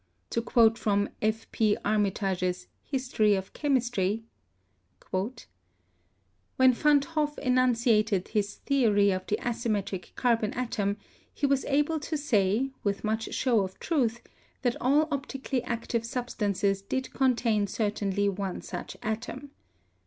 To quote from F. P. Armitage's "History of Chemistry" : "When Van't Hoff enunciated his theory of the asym metric carbon atom, he was able to say, with much show of truth, that all optically active substances did contain certainly one such atom.